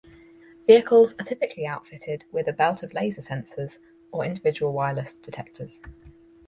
Vehicles are typically outfitted with a belt of laser sensors or individual wireless detectors.